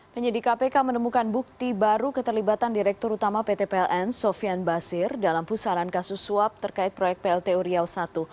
penyidik kpk menemukan bukti baru keterlibatan direktur utama pt pln sofian basir dalam pusaran kasus suap terkait proyek plt uriau i